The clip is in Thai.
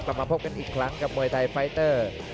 กลับมาพบกันอีกครั้งกับมวยไทยไฟเตอร์